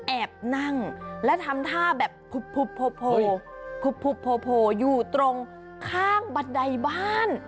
แอบนั่งและทำท่าแบบโผล่อยู่ตรงข้างบันไดบ้าน